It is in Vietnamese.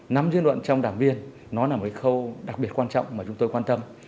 nắm dư luận trong đảng viên nó là một khâu đặc biệt quan trọng mà chúng tôi quan tâm